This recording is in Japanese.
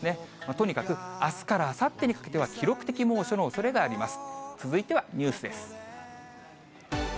とにかくあすからあさってにかけては、記録的猛暑のおそれがあります。